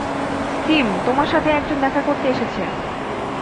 Kim, তোমার সাথে একজন দেখা করতে এসেছে।